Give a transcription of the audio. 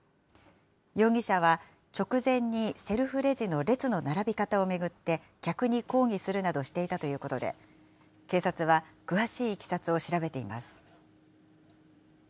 容疑者は、直前にセルフレジの列の並び方を巡って客に抗議するなどしていたということで、警察は詳しいいきさつを調べています。